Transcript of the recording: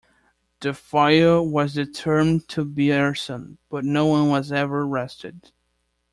The fire was determined to be arson, but no one was ever arrested.